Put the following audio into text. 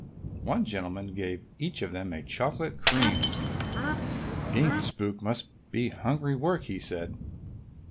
One gentleman gave them each a chocolate cream. "Being a spook must be hungry work," he said.